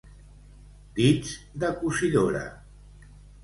Dits de cosidora.